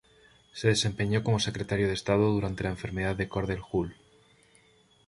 Se desempeñó como Secretario de Estado durante la enfermedad de Cordell Hull.